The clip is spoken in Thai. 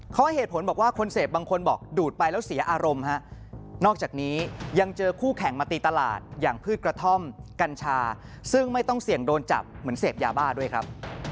เขาให้เหตุผลบอกว่าคนเสพบางคนบอกดูดไปแล้วเสียอารมณ์ฮะนอกจากนี้ยังเจอคู่แข่งมาตีตลาดอย่างพืชกระท่อมกัญชาซึ่งไม่ต้องเสี่ยงโดนจับเหมือนเสพยาบ้าด้วยครับ